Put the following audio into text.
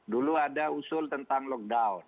dulu ada usul tentang lockdown